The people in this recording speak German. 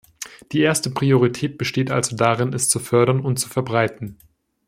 Die erste Priorität besteht also darin, es zu fördern und zu verbreiten.